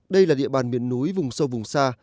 đây là địa bàn miền núi vùng sâu vùng xa